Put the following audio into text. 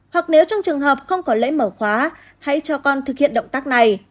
hoặc nếu trong trường hợp không có lễ mở khóa hãy cho con thực hiện động tác này